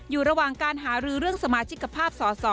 อยู่ระหว่างการหารือเรื่องสมาชิกภาพสอสอ